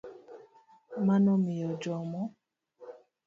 Mano miyo jomo